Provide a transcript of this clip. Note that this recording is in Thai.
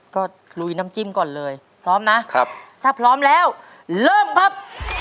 ก็ลุยน้ำจิ้มก่อนเลยพร้อมนะครับถ้าพร้อมแล้วเริ่มครับ